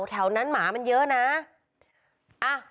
แถวนั้นหมามันเยอะนะ